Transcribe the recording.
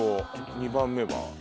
２番目は？